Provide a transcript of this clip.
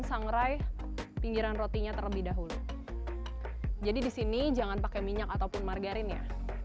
sangrai pinggiran rotinya terlebih dahulu jadi disini jangan pakai minyak ataupun margarin ya